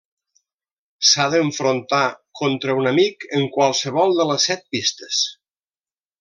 S'ha d'enfrontar contra un amic en qualsevol de les set pistes.